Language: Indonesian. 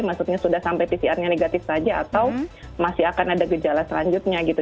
maksudnya sudah sampai pcr nya negatif saja atau masih akan ada gejala selanjutnya gitu